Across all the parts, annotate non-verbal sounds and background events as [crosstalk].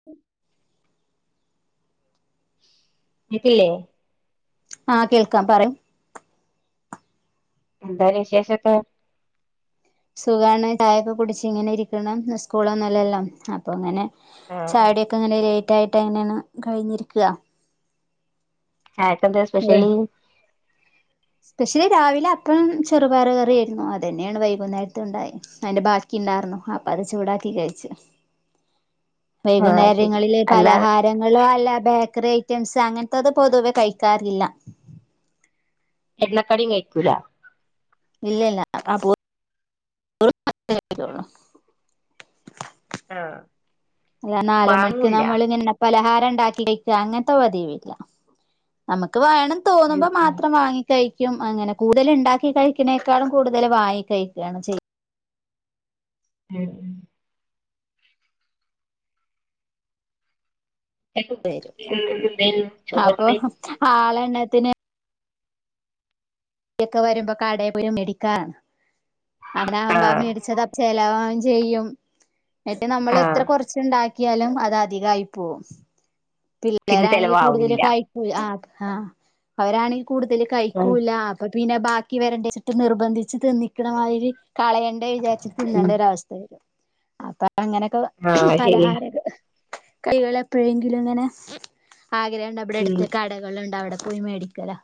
[inaudible] നെറ്റില്ലേ? [unintelligible] ആഹ് കേൾക്കാം പറിം എന്താ വിശേഷൊക്കേ? സുഖാണ് ചായൊക്കെ കുടിച്ചിങ്ങനെ ഇരിക്കണ് സ്കൂളൊന്നുംല്ലല്ലോ. അപ്പോ ങ്ങനെ ആഹ് ചായൊട്യോക്കെങ്ങനെ ലേറ്റായിട്ട്ങ്ങനെ കഴിഞ്ഞിരിക്കാ. ചായക്കെന്താ അതെ സ്പെഷ്യല്? സ്പെഷ്യല് രാവിലെ അപ്പം ചെറുപയർ കറിയായിരുന്നു. അതന്നെണ് വൈകുന്നേരത്തും ഉണ്ടായി അതിന്റെ ബാക്കിണ്ടാർന്നു അപ്പ അത് ചൂടാക്കീ കഴിച്ച്. ആഹ് ശരി വൈകുന്നേരങ്ങളില് അല്ലാ പലഹാര രങ്ങളോ അല്ല ബേക്കറി ഐറ്റംസ് അങ്ങനത്തത് പൊതുവെ കഴിക്കാറില്ല. എണ്ണക്കടീം കഴിക്കൂല. ഇല്ലല്ല അപൂർവ പോ റ് [unintelligible] മാത്രേ കഴിക്കൊള്ളൂ. ആഹ്. ഞാൻ നാല് മണിക്ക് വാങ്ങൂല്ല നമ്മളി എണ്ണ പലഹാരണ്ടാക്കി കഴിക്കാ അങ്ങനത്തെ പതിവില്ല. നമുക്ക് വേണം ഉം തോന്നുമ്പോ ഉം മാത്രം വാങ്ങി കഴിക്കും അങ്ങനെ കൂടുതല് ണ്ടാക്കി കഴിക്ക്‌ണേക്കാളും കൂടുതൽ വാങ്ങി കഴിക്കാണ് ചെയ്യാ. ം എടൊ വരും പിന്നെ ഇന്നലെ എന്തേര്ന്നു അപ്പൊ ചോർന്ന് [unintelligible] ആളെണ്ണത്തിന് ഇക്ക വരുമ്പോ കടീപോയി മേടിക്കാ. അതാവുമ്പോ ആ ആഹ് മേടിച്ചത് ചലവാവും ചെയ്യും എന്നിട്ട് നമ്മൾ എത്ര ആഹ് കുറച്ചുണ്ടാക്കി ക്കിയാലും അതധികായി പോവും പിന്നെ പിള്ളേരാണെങ്കിൽ കൂടുതല് ചെലവാവൂല്ല കയി ആഹ് ആഹ് അവരാണെങ്കി കൂടുതല് കഴിക്കൂല്ല ആഹ് അപ്പ പിന്നെ ബാക്കി വരണ്ടേച്ചിട്ട് നിർബന്ധിച്ച് തിന്നിക്കണമാതിരി കളയേണ്ടേ വിചാ രിച്ച് ഉം തിന്നേണ്ടൊരവസ്ഥ വരും അപ്പൊ അങ്ങനെക്കെ ആഹ് ശരിയാ പലഹാരൊക്കെ കൈകൾ എപ്പോഴെങ്കിലുംങ്ങനെ ആഗ്രഹംഉണ്ട് ബടെ ഉം അടുത്ത് കടകളുണ്ട് അവിടെ പോയി മേടി ക്കലാ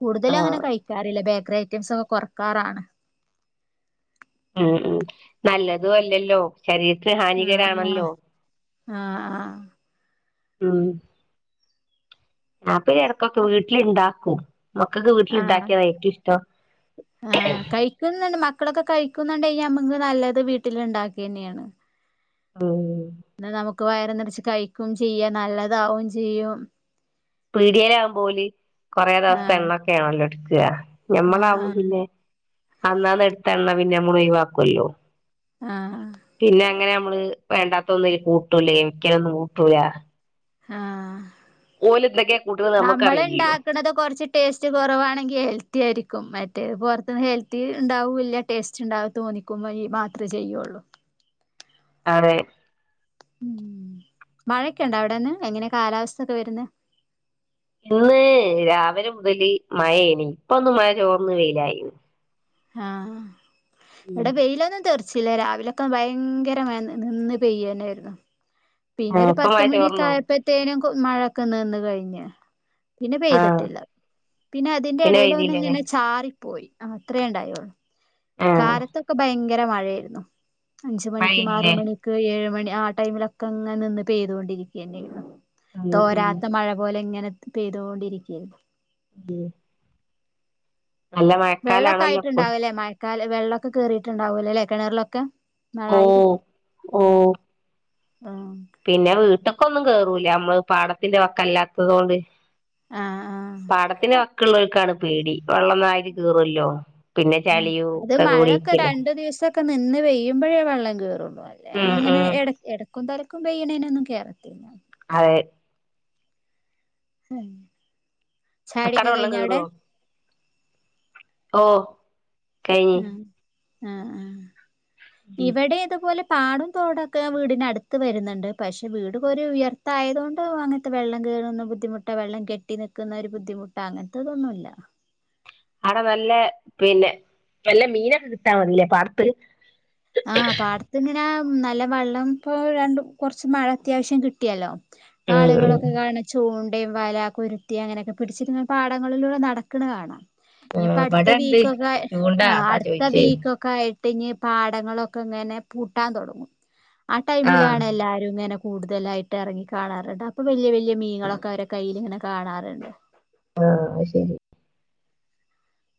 കൂടുതലൊങ്ങനെ ആഹ് കഴിക്കാറില്ല ബേക്കറി ഐറ്റംസ് ഒക്കെ കൊറക്കാറാണ്. ഉം ഉം നല്ലതൂല്ലല്ലോ. ശരീരത്തിന് ആഹ് ഹാനികരാണല്ലോ ആഹ് ആഹ് ം. ഞാപ്പ എടക്കൊക്കെ ആഹ് വീട്ടില്ണ്ടാക്കും. മക്കക്ക് ആഹ് വീട്ടില്ണ്ടാക്കിയതാ ഏറ്റൊഷ്ടം. കുന്നുണ്ട് മക്കളൊക്കെ കഴിക്കുന്നുണ്ടങ്കി ഞമ്മക്ക് നല്ലത് വീട്ടില്ണ്ടാക്ക്യന്നെണ്. ം എന്നാ നമുക്ക് വയറ് നിറച്ച് കഴിക്കൂം ചെയ്യാ നല്ലതാവും ചെയ്യും. പീട്യേലാവുമ്പോല് കൊറെ ദിവസത്തെ ആഹ് എണ്ണൊക്കാണല്ലോ ട്ക്ക ആഹ് ഞമ്മളാവുമ്പൊ പിന്നെ. ആഹ് അന്നാന്നെട്ത്ത എണ്ണ പിന്നെ നമ്മള് ഒഴിവാക്കല്ലോ. ആഹ്. പിന്നെ അങ്ങനെ നമ്മള് വേണ്ടാത്തൊന്നും കൂട്ടൂല കെമിക്കലൊന്നും കൂട്ടൂല. ആഹ് ഓല് എന്തൊക്കെയാ കൂട്ടുന്നത് നമ്മള് നമ്മക്കറിയില്ലല്ലോ ണ്ടാക്കണത് കൊറച്ച്. ടേസ്റ്റ് കുറവാണെങ്കി ഹെൽത്തി ആയിരിക്കും മറ്റേ പുറത്ത്ന്ന് ഹെൽത്തിണ്ടാവൂല്ല. ടേസ്റ്റ്ണ്ടാവ തോന്നിക്കുംഹഴി മാത്രെചെയ്യൊള്ളൂ. അതെ ം മഴെക്കണ്ട വടെന്ന് എങ്ങനെ കാലാവസ്ഥൊക്കെ വരുന്ന്? ഇന്ന് രാവിലെ മുതൽ മഴേനി ഇപ്പൊന്ന് മഴ ചോർന്ന് വെയിലായി. ആഹ് ഉം ഇവിടെ വെയിലൊന്നും തെർ. ചില രാവിലൊക്കെ ബയങ്കര മയ ന് നിന്ന് പെയ്യന്നായിരുന്നു. ആഹ് പിന്നെരു ഇപ്പൊ പത്ത് മഴ ചോർന്നോ മണിക്കായപ്പത്തേനും ക് മഴൊക്കെ നിന് കയിഞ് പിന്നെ ആഹ് പെയ്തിട്ടില്ല പിന്നെ അതിന്റെ ഇടേൽ ഒന്ന് ഇങ്ങനെ ചാറിപ്പോയി അത്രേ ഉണ്ടായള്ളൂ. ആഹ് കാലത്തൊക്കെ ബയങ്കര മഴയാരുന്നു അഞ്ച് മണിക്കും ആറ് മഴേനില്ലേ മണി. ക്ക് ഏഴ് മണി ആ ടൈമിലൊക്കെ അങ്ങെനിന്ന് പെയ്തുകൊണ്ടിരിക്കന്നെയി- ഉം ഉം തോരാത്ത മഴ പോലെ ഇങ്ങനെ പെയ്തുകൊണ്ടിരിക്കയാര്- ഉം. നല്ല മഴക്കാലാണല്ലോ ഇപ്പൊ വെള്ളൊക്കായിട്ടുണ്ടാവല്ലേ മയ്- ക്കാല് വെള്ളൊക്കെ കേറിട്ടുണ്ടാവൂലല്ലേ കിണറിലൊക്കെ മഴായി. ഓഹ് ഓഹ് ആഹ്. പിന്നെ വീട്ട്ക്കൊന്നും കേറൂല നമ്മള് പാടത്തിന്റെ വക്കല്ലാത്തത് ഒണ്ട്. ആഹ് ആഹ് പാടത്തിന്റെ വക്കുള്ളവർക്കാണ് പേടി. വെള്ളംന്നായി കേറുല്ലോ പിന്നെ ചളിയും ഒക്കെ കൂടിരിക്കലോ. ഒക്കെ നിന്ന് പെയ്യുമ്പോഴേ വെള്ളം കയറുള്ളൂ അല്ലെ [unintelligible] ഉം അങ്ങനെ ഉം ഇടക്ക്. എടക്കും തലക്കും പെയ്യണേനൊന്നും കേറത്തില്ല. അതെ. അക്കടെ ചായുടിക്കെ വെള്ളം കഴിഞ്ഞോ അവിടെ. കേറുവോ ഓ കയിഞ്. ആഹ് ആഹ് ആ ഉം ഇവിടെ ഇതുപോലെ. പാടോ തോടൊക്കെ വീടിനടുത്ത് വരുന്നുണ്ട് പക്ഷെ വീട് ഒരു ഉയർത്തായതൊണ്ട് അങ്ങന് - ത്ത് വെള്ളം കേറുന്ന ബുദ്ധിമുട്ട് വെള്ളം കെട്ടി നക്കുന്ന ഒരു ബുദ്ധിമുട്ട് അങ്ങനത്തെതൊന്നുല്ല. ആടെ നല്ല പിന്നെ നല്ല മീനൊക്കെ കിട്ടാൻ മതില്ലേ പാടത്ത്. ആ പാടത്തിങ്ങനാ നല്ല വെള്ളം പ്പൊ രണ്ട് കൊറച്ച് മഴ അത്യാവശ്യം കിട്ടിയല്ലോ. ഇപ്പ ഉം ആളുകളൊക്കെ കാണ ചൂണ്ടയും വല കുരു. ത്തി അങ്ങനൊക്കെ പിടിച്ചിത് നെ പാടങ്ങളിലൂടെ നടക്കണ് കാണാം. ഇനിപ്പ അടുത്ത ഇവിടെ ഉണ്ട് വീക്കൊക്കെ ചൂണ്ട ആ അതാ അടുത്ത ചോയിച്ചേ വീക്കൊ- ഒക്ക ആയിട്ട് ഇഞ്ഞി പാടങ്ങളൊക്കെ ഇങ്ങനെ പൂട്ടാൻ തുടങ്ങും. ആ ആഹ് ടൈമിലാണ് എല്ലാരുഇങ്ങനെ. കൂടുതലായിട്ട് ഇറങ്ങി കാണാറുണ്ട് അപ്പൊ വലിയ വലിയ മീനളൊക്കെ അവരെ കയ്യിൽ ഇങ്ങനെ കാണാറ്ണ്ട്. ആഹ് ശരി.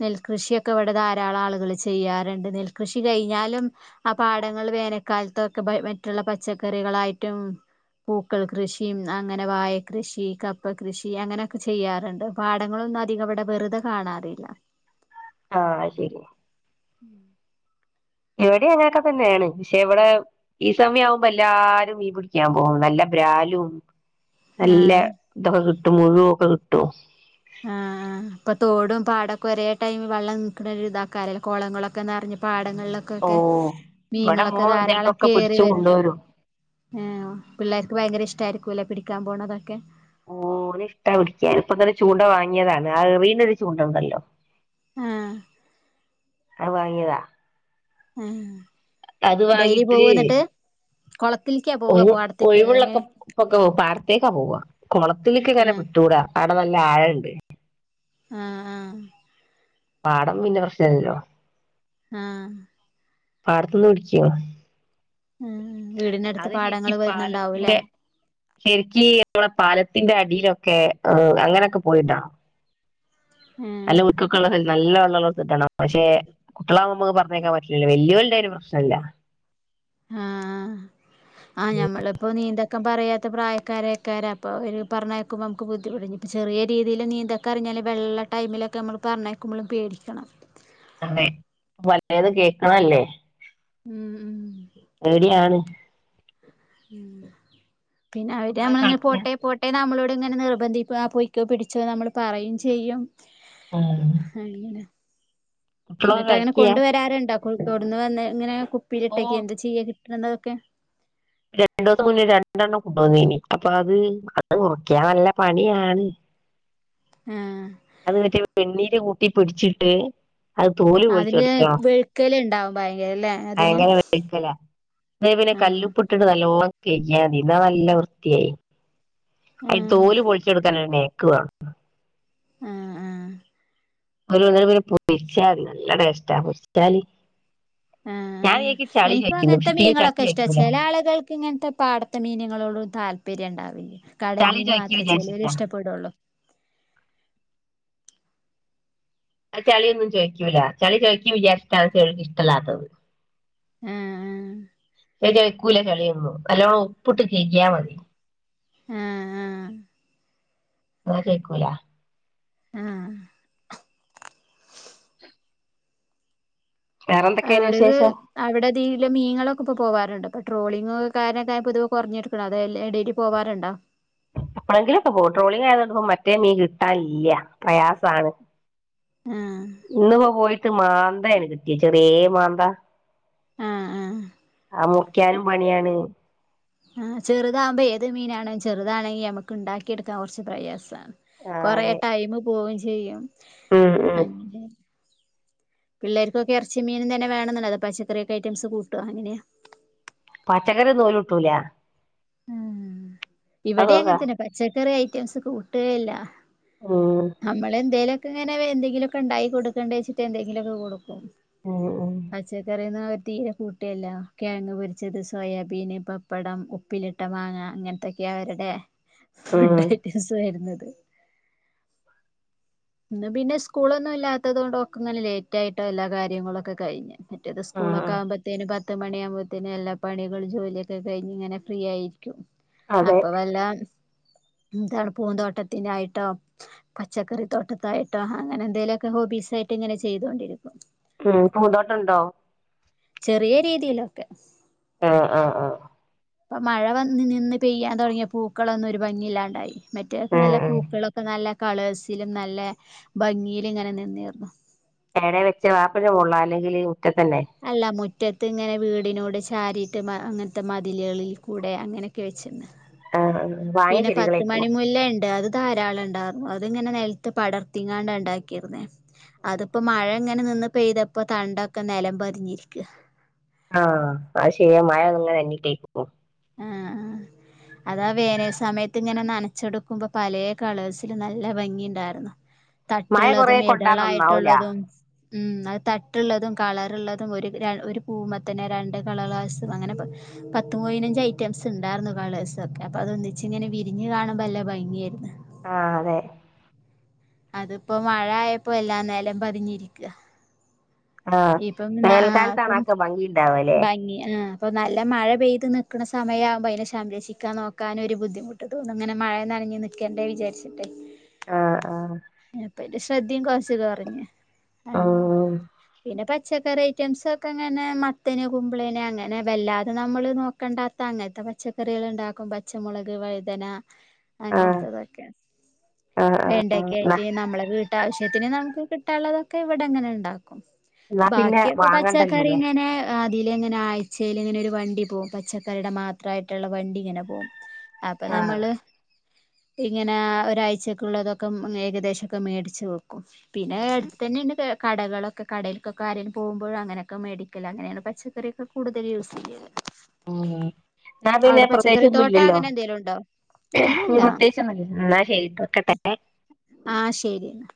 നെൽകൃഷിയൊക്കെ ഇവിടെ ധാരാളാളുകള് ചെയ്യാറുണ്ട് നെൽകൃഷി കയിഞ്ഞാലും. ആ പാടങ്ങൾ വേനക്കാലത്തൊക്കെ ബ മറ്റുള്ള പച്ചക്കറികളായിട്ടും. പൂക്കൾ കൃഷിയും അങ്ങനെ വായക്കൃഷി കപ്പ കൃഷി അങ്ങനൊക്കെ ചെയ്യാറുണ്ട്. പാടങ്ങളൊന്നു അധികവടെ വെറ്തെ കാണാറില്ല ആഹ്ശെരി ഉം ഇവടേം അങ്ങനൊക്കെതന്നേണ് ഇശേ ഇവടെ ഈ സമ്യാവുമ്പോ എല്ലാരും മീൻ പിടിക്ക്യാപോവും നല്ല ബ്രാലും നല്ല ആഹ് ഇതൊക്കെകിട്ടും മുഴുഒക്കെകിട്ടും ഉം ഇപ്പതോടും പാടക്കൊരേ ടൈമി വള്ളം നിക്ക്ണൊരുതാക്കാരല്ലോ കൊളങ്ങളൊക്കെനെറഞ്ഞ് പാടങ്ങളില് ഓ കൊക്കെ ഇവിടെ മീങ്ങളൊക്കെ മോൻ ധാരാളം ചെലപ്പൊക്കെ പിടിച്ചു കേറിവെരും കൊണ്ടുവരും എ ഉ പിള്ളേർക്ക് ഭയങ്കര ഇഷ്ടയിരിക്കു ല്ലേ പിടിക്കാൻപോണതൊക്കെ ഓന് ഇഷ്ടാപിടിക്ക്യാന് ഇപ്പതന്നെ ചൂണ്ട വാങ്ങിയതാണ് അഹ് റീനൊരുചൂണ്ട ഉണ്ടല്ലോ ആഹ് അഹ് വാങ്ങിയതാ ആഹ് അത് വാങ്ങിട്ട് കൊളത്തിൽക്കപ്- ഒയിവ് ഒയിവുള്ളപ്പം ഒക്കെഹോ പാടത്തേക്കപോവ കൊളത്തിൽക്ക്‌ങ്ങനെ ആഹ് വിട്ടൂട അവടെ നല്ലആയണ്ട് ആഹ് ആഹ് പാടം പിന്നെ പ്രശ്നല്ലല്ലോ ആഹ് പാടത്ത്ന്ന് പിടിക്ക്യോ ഉം വീടിന്നട്ത്ത് പാടങ്ങള് വരുന്ന്ണ്ടാവുല്ലേ ശെരിക്കീ മ്മളെ പാലത്തിന്റെ അടീലൊക്കെ ആഹ് അങ്ങനെക്കെ പോയിട്ടാണോ ആഹ് നല്ല ഒയ്ക്കൊക്കെള്ളസെൽ നല്ലവെള്ളള്ള സെറ്റാണോ പശേ കുട്ടിളാവുമ്പോ പറഞ്ഞേയ്ക്കാൻ പറ്റില്ലല്ലോ വെല്ല്യോല്ണ്ടേഒര്പ്രശ്നല്ല ആഹ് ആഹ് ഞമ്മളിപ്പോനീന്ത ക്കം പറയാത്തപ്രായക്കാരേയ്ക്കാരം അപ്പോ ഓര് പറഞ്ഞയക്കുമ്പോഅമ്മക്ക് ബുദ്ധിമുട്ട ഞ് ചെറിയരീതിയിലും നീന്തൽ കരഞ്ഞാല് വെള്ള ടൈമിലൊക്കെ അമ്മള്പർഞ്ഞയ്ക്കുമ്പള് പേടിക്കണം ഒന്നയ് പലേതുംകേക്ക്ണല്ലേ ഉം ഉം എവിടിയാണ് ഉം പിന്നെ അവര് കുട്ടികളൊക്കെ നമ്മള്ങ്ങ കളിക്കുക പോട്ടേപോ ഏനമ്മളോട്ങ്ങനെ നിർബന്ധിപ്യാ പൊയ്ക്കോപിടിച്ചോ നമ്മള്പറയുംചെയ്യും ഉം അയ്ന്നേണ് ന്നിട്ട് കളിക്കുക അങ്ങനെകൊണ്ട് വരാറ്ണ്ടോ കൊതൊട്ന്ന് വന്നേ ഓ ഇങ്ങനെകുപ്പിലിട്ടക്കേ എന്താചെയ്യാ കിട്ടണതൊക്കെ രണ്ടോസം മുന്നേ രണ്ടെണ്ണം കൊണ്ടോന്നീനി അപ്പഅത് അത് മുറിക്ക്യാൻനല്ലപണിയാണ് ആഹ് അത് വെച്ച് വെണ്ണീര്കൂട്ടി പ്ട്ച്ചിട്ട് അഹ് തോല് അതിന് പൊൾച്ചെടുക്കണം വെഴുക്കലുണ്ടാവും ഭയങ്കര ല്ലേ അതിന് അയങ്ങനെ വഴ്ക്കല ദേപിന്നേ ആഹ് കല്ലുപ്പ് ട്ട്ട്ട് നല്ലോണം കെയ്ഗ്യതി ന്നാ നല്ലവൃത്തിയായി ആഹ് അയ്തോല് പൊൾച്ചെടുക്കാനര് നേക്ക് വാണം ആഹ് ആഹ് ഒര്ഒന്നരപൊര പൊരിച്ചാല്നല്ലടെസ്റ്റാ പൊരിച്ചാല് ഞാൻ ആഹ് എനിക്ക് ചളി ആഹ്എൻക്കു ചോദിക്കുന്നു അങ്ങൻത്തെ പക്ഷെ തീരെ ചളി മീങ്ങളൊക്കെഇഷ്ട ചോദിക്കൂല ചെലആളുകൾക്ക് ഇങ്ങൻത്തെ പാട് ത്തേ മീന്ങ്ങളോടും താല്പര്യണ്ടാവില്ല്യ ചളി കടൽമീന് ചോദിക്കുക മാത്ര വിചാരിച്ചിട്ടാ ചെലര്ഇഷ്ടപ്പെടൊള്ളൂ ആഹ് ചളിയൊന്നുംചൊയിക്ക്യൂല ചളി ചൊയിക്ക്യുല്യ ഷ്ട്ടാണ് ചെലോൽക്ക് ഇഷ്ട്ടല്ലാത്തത് ആഹ് ഏഹ് ജെയക്കൂല ചളിയൊന്നും നല്ലോണുപ്പുട്ട് കൈഗ്യാമതി ആഹ് ആഹ് ആഹ് അതാ ചോയ്ക്കൂല ആഹ് വേറെ എന്തൊക്കെയാണ് അവിടൊര്ത് വിശേഷം അവിടതീല് മീനുങ്ങളൊക്കെ ഇപ്പോ പോവാറ്ണ്ട് പൊട്രോളിങ് കാര്നക്കാരപത് കൊർ ഞ്ഞി ഴതെല്ലേ ടേല് പോവാറ്ണ്ട പ്ലേളേങ്കിലൊക്കൊ പോവു ട്രോളിങായതോണ്ട്പൊ മറ്റേ മീ കിട്ടാൻ ല്യ പ്രയാസാണ് ആഹ് ഇന്ന്പ്പോ പോയിട്ട് മാന്തേണ് കിട്ടിയെ ചെറിയേ മാന്ത ആഹ് ആഹ് ആഹ് മുറിക്യാനും പണിയാണ് ആഹ് ചെറ്താമ്പെയ് ഏത് മീനാണ് ചെറ്താണങ്കി യമക്ക് ണ്ടാക്കിയെട്ക്കാ കൊർച്ച് പ്രയാസാണ് ആ കൊറേ അതെ ടൈമ് പോവും ചെയ്യും ഉം ഉം അങ്ങനെ പിള്ളേർക്കൊക്കെ എർച്ചിം മീനും തന്നെ വേണെന്ന്ണ്ടതോ പക്ഷേ ഇത്രയൊക്കെഐറ്റംസ് കൂട്ട്യാന് നേ പച്ചക്കറി ന്നോലുട്ടൂല ആഹ് അതോക്കാ ഇവട്യങ്ങൻത്തന്നെ പച്ചക്കറി ഐറ്റംസ് കൂട്ടേല്ല ഉം നമ്മള് എന്തേലൊക്കെങ്ങനെ വെന്തെങ്കിലൊക്കെണ്ടായി കൊട്ക്കണ്ടേച്ചിട്ട് എന്തങ്കിലൊക്കെ കൊടുക്കും ഉം ഉം പച്ചക്കറീന്ന് അവര് തീരെ കു ട്ട്യേല്ല കെഴങ്ങ് പൊരിച്ചത് സോയാബീന് പപ്പടം ഉപ്പിലിട്ട മാങ്ങ ഇങ്ങൻത്തെക്കെ ട്ട്യേ അവര്ടെ ഫുഡ് ഉം ഐറ്റംസ് വര്ന്നത് ഇന്ന് പിന്നെ സ്കൂളൊന്നും ഇല്ലാത്തത് കൊണ്ടൊക്കേ ഇങ്ങനെ ലേറ്റ് ആയിട്ടാ എല്ലാ കാര്യങ്ങളും ഒക്കെ കഴിഞ്ഞെ. മറ്റേത് സ്കൂളൊക്കെ ആഹ് ആവുംമ്പത്തേന് പ പത്ത് മണിയാകുമ്പോത്തേനും എല്ലാ പണികളും ജോലിയൊക്കെ കഴിഞ്ഞ് ഇങ്ങനെ ഫ്രീ ആയിരിക്കും. അതെ അപ്പൊ വല്ല എന്താണ് പൂന്തോട്ടത്തിന് ആയിട്ടോ പച്ചക്കറി തോട്ടത്തായിട്ടോ അങ്ങനെ എന്തേലുക്കെ ഹോബീസ് ആയിട്ട് ഇങ്ങനെ ചെയ്തൊണ്ടിരിക്കും. ഉം പൂന്തോട്ടണ്ടോ? ചെറിയ രീതിയിലൊക്കെ. ആഹ് ആ ആ. ഇപ്പ മഴ വന്ന് നിന്ന് പെയ്യാൻ തൊടങ്ങിയ പൂക്കളൊന്നും ഒരു ഭംഗില്ലാണ്ടായി മറ്റേക്കെ ഉം നല്ല ഉം പൂക്കളൊ നല്ല കളേഴ്സിലും നല്ല ഭംഗിയിലും ഇങ്ങനെ നിന്നീർന്നു. എങ്ങനെ വെചാ വാർപ്പിന്റെ മോൾളാ അല്ലെങ്കിലീ ഈ മുറ്റത്തന്നേ? അല്ല മുറ്റത്ത് ഇങ്ങനെ വീടിനോട് ചാരീട്ട് മ അങ്ങൻത്തെ മതില്ളിൽകൂടെ അങ്ങനെയൊക്കെ വെച്ചിന്ന്. ആഹ് ആഹ് വാഴ പിന്നെ പത്ത് ചെടികളേക്കും മണി മുല്ല ണ്ട് അത് ധാരാള ണ്ടാർന്നു അതിങ്ങനെ നെൽത്ത് പടർത്തിങ്ങാണ്ടാ ണ്ടാക്ക്യാർന്നെ അതിപ്പോ മഴ ഇങ്ങനെ നിന്ന് പെയ്തപ്പോ തണ്ടൊക്കെ നേലം പതിഞ്ഞിരിക്കാ. ആഹ് അത് ശെരിയാ മഴ അങനേ ന്നിട്ടേ പോം ആഹ് ആഹ് അതാ വേനൽ സമയത്ത് ഇങ്ങനെ നനച്ചെടുക്കുമ്പോ പലേ കളേഴ്സില് നല്ല ഭംഗി ണ്ടാർന്നു. [inaudible] കൊറേ തട്ട്ള്ളതും കൊണ്ടാ നന്നാവൂല എതളായിട്ടുള്ളതും മ്മ്ഹ് അയ് തട്ട്ള്ളതും കളറ്ള്ളതും ഒരു ര ഒരു പൂവ്മേ തന്നെ രണ്ട് കള ളാസും അങ്ങനെ പത്ത് മോയി നഞ്ച് ഐറ്റംസ് ണ്ടാർന്നു കളേഴ്സ്ഒക്കെ അപ്പൊ അതൊന്നിച്ച് ഇങ്ങനെ വിരിഞ്ഞ് കാണുമ്പോ അല്ല ഭംഗിയേരുന്ന്. ആഹ് അതെ. അതിപ്പോ മഴ ആയപ്പോ എല്ലാം നെലം പതിഞ്ഞിരിക്ക്. ആഹ് ഇപ്പം ആഹ് വേനൽക്കാലത്താണ് പ്പം അതൊക്കെ ഭംഗിണ്ടാവല്ലേ ഭംഗി ആഹ്. അപ്പൊ നല്ല മഴ പെയ്ത് നിക്ണ സമയാവുമ്പോ അയ്നെ ഷംരക്ഷിക്കാൻ നോക്കാനൊഒരു ബുദ്ധിമുട്ട്. ഇങ്ങനെ മഴ നനഞ്ഞ് നിക്കേണ്ടേ വിചാര്ച്ചിട്ടേയ്. ആഹ് ആഹ്. പ്പന്റെ ശ്രദ്ധയും കൊർച്ച് കൊറഞ്ഞ് അങ്ങനെ ഉം പിന്നെ പച്ചക്കറി ഐറ്റംസ് ഒക്കെ ങ്ങനെ മത്തന് കുമ്പളേന് അങ്ങനെ വല്ലാതെ നമ്മള് നോക്കണ്ടാത്ത അങ്ങൻത്തെ പ പച്ചക്കറീള്ണ്ടാക്കും പച്ചമുളക് വഴുതന [inaudible] അങ്ങൻത്തതൊക്കെ ആഹ് ആഹ് വേണ്ട ആഹ് ന്നാ ക്കായിട്ട് നമ്മളെ വീട്ടാവശ്യത്തിന് നമുക്ക് കിട്ടാള്ളതൊക്കെ ഇവടെ ങ്ങനെ ണ്ടാക്കും. ന്നാ പിന്നെ ബാക്കിയൊക്കെ പച്ചക്കറി വാങ്ങണ്ടല്ലോല്ലേ ഇങ്ങനെ ആഹ് അതീലങ്ങനെ ആഴ്ചയില് ഇങ്ങനെ ഒരു വണ്ടി പോകും, പച്ചക്കറിടെ മാത്രായിട്ടുള്ള വണ്ടി ഇങ്ങനെ പോകും. അപ്പൊ ആഹ് നമ്മള് ഇങ്ങനെ ഒരാഴ്ചക്കുള്ളതൊക് പ്പം ഏകദേശോക്കെ മേടിച്ച് വെക്കും. പിന്നെ അടുത്തന്നെണ്ട് കടകളൊക്കെ കടയിൽക്കൊക്കെ ആരേലും പോകുമ്പോഴോ അങ്ങനൊക്കെ മേടിക്കലാ അങ്ങനെയാണ് പച്ചക്കറി കൂടുതല് യൂസ്യ്യല്. ഉം ന്നാ പ്പിന്നെ അവിടെ തോട്ടം പ്രത്യകിച്ച്ന്നുംല്ലല്ലോ അങ്ങനെ എന്തെലും ഉണ്ടോ ഇല്ലല്ല ഇനി പ്ര ന്നാ ശരിട്ട വെക്കട്ടെ. ആഹ് ശരി ന്നാ.